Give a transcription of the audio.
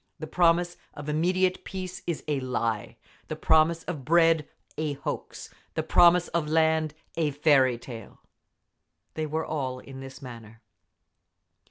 The promise of immediate peace—is a lie! The promise of bread—a hoax! The promise of land—a fairy tale!… They were all in this manner.